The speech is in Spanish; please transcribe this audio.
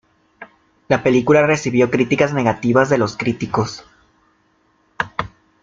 La película recibió críticas negativas de los críticos.